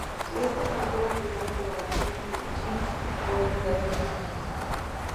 Esto marcó la primera colaboración de Twice con el fundador de la agencia.